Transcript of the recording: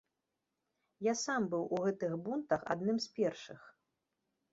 Я сам быў у гэтых бунтах адным з першых.